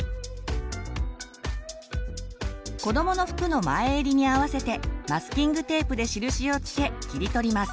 こどもの服の前襟に合わせてマスキングテープで印を付け切り取ります。